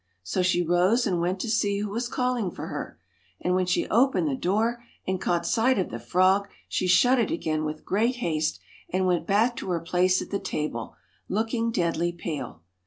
' So she rose and went to see who was calling for her ; and when she opened the door and caught sight of the frog, she shut it again with great haste, and went back to her place at the table, looking deadly pale.